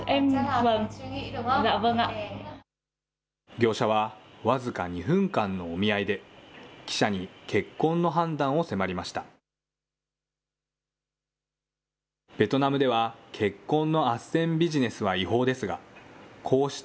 業者は、僅か２分間のお見合いで、記者に結婚の判断を迫りました。